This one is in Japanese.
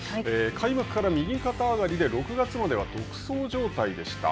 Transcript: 開幕から右肩上がりで６月までは独走状態でした。